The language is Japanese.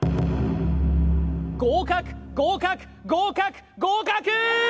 合格合格合格合格！